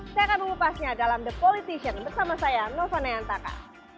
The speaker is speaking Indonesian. saya akan mengupasnya dalam the politician bersama saya novanayantaka